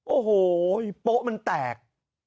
โอ้โหโป๊ะมันแตก